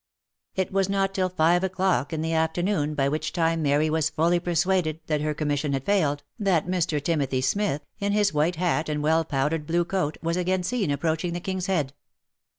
It was not till five o'clock in the afternoon, by which time Mary was fully persuaded that her commission had failed, that Mr. Timothy 252 THE LIFE AND ADVENTURES Smith, in his white hat and well powdered blue coat, was again seen approaching the King's Head.